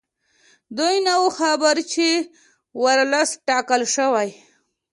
دوی نه وو خبر چې ورلسټ ټاکل شوی.